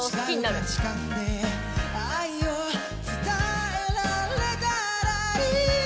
「愛を伝えられたらいいな」